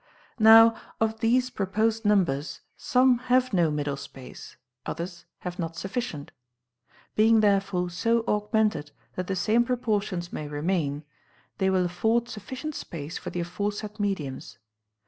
Now of these proposed numbers, some have no middle space, others have not sufficient. Being therefore so augmented that the same proportions may remain, they will afford sufficient space for the afore said mediums.